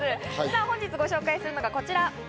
本日ご紹介するのがこちら。